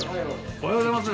おはようございます。